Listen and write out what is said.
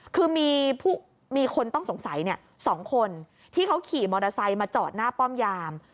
คือมีคนต้องสงสัย๒คนที่เขาขี่มอเตอร์ไซค์มาจอดหน้าป้อมยาม